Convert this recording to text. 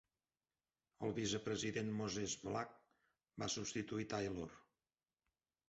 El vicepresident Moses Blah va substituir Taylor.